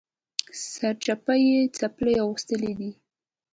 سرچپه یې څپلۍ اغوستلي دي